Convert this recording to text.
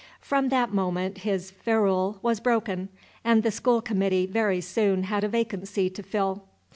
From that moment his ferule was broken, and the school committee very soon had a vacancy to fill.